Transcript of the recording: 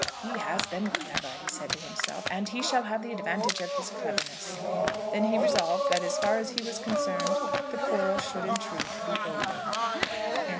"He has been clever," he said to himself, "and he shall have the advantage of his cleverness." Then he resolved that as far as he was concerned the quarrel should in truth be over. CHAPTER LXI.